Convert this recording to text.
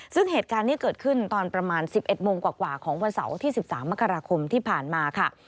ซึ่งเหตุการณ์นี้เกิดขึ้นตอนประมาณ๑๑โมงกว่าของวันเสาร์ที่๑๓มกราคมที่ผ่านมาค่ะ